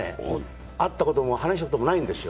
会ったことも話したこともないんですよ。